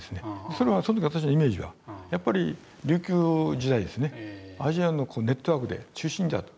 その時の私のイメージはやっぱり琉球時代アジアのネットワークで中心であった。